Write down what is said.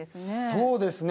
そうですね。